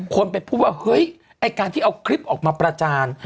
คนไปพูดว่าเฮ้ยไอ้การที่เอาคลิปออกมาประจาน